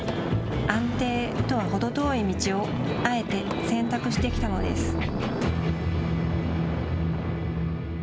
安定とはほど遠い道をあえて選択してきたのです。